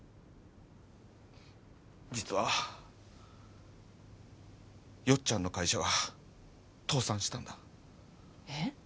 実はよっちゃんの会社が倒産したんだえっ？